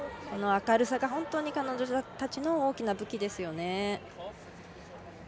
この明るさが本当に彼女たちの大きな武器ですよね。